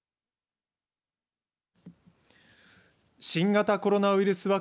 新型コロナウイルス